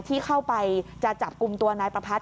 ที่เข้าไปจะจับกลุ่มตัวนายประพัทธ